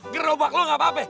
gerobak lo gak apa apa